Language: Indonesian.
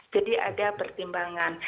jadi ada pertimbangan